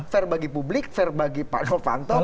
fair bagi publik fair bagi pak novanto fair bagi